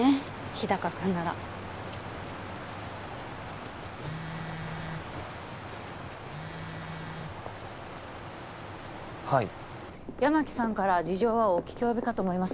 日高君ならはい八巻さんから事情はお聞き及びかと思いますが